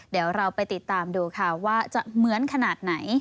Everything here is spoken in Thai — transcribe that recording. เดี๋ยวเราไปติดตามดูค่ะว่าจะเหมือนขนาดไหน